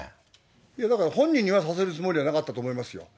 いや、だから、本人にはさせるつもりはなかったと思いますよ。